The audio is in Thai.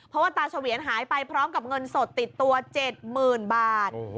เพราะว่าตาเฉวียนหายไปพร้อมกับเงินสดติดตัว๗๐๐๐บาท